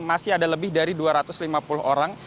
masih ada lebih dari dua ratus lima puluh orang